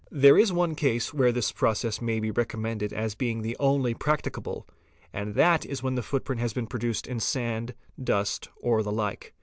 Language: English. ,' There is one case where this process may be recommended as being the only practicable, and that is when the footprint has been produced in sand, dust, or the like.